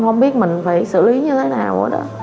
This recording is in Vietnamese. không biết mình phải xử lý như thế nào nữa